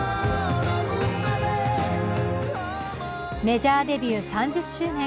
メジャーデビュー３０周年。